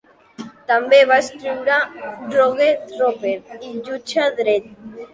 També va escriure "Rogue Trooper" i "Jutge Dredd".